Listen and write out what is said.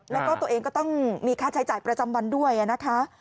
แล้วก็ตัวเองก็ต้องมีค่าใช้จ่ายประจำวันด้วยนะคะ